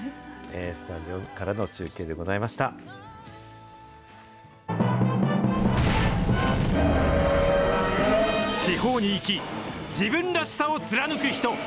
スタジオからの中継でございまし地方に生き、自分らしさを貫く人。